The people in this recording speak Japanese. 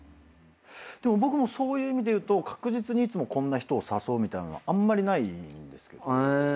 僕もそういう意味で言うと確実にいつもこんな人を誘うみたいなのはあんまりないんですけど。